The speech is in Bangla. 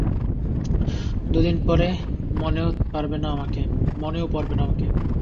দুদিন পরে মনেও পড়বে না আমাকে।